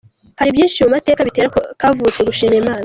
Hari byinshi mu mateka bitera Kavutse gushima Imana.